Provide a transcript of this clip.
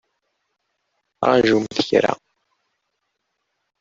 Ṛajumt kra!